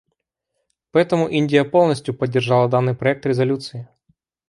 Поэтому Индия полностью поддержала данный проект резолюции.